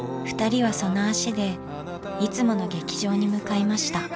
ふたりはその足でいつもの劇場に向かいました。